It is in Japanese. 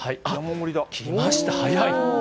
きました、早い。